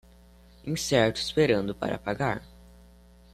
Incerto esperando para pagar